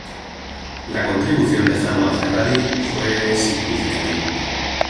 La contribución de Jano a Ferrari fue significativa.